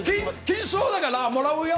金賞だからもらうよ。